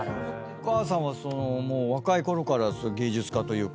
お母さんはもう若いころから芸術家というか。